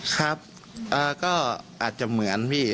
ครับก็อาจจะเหมือนพี่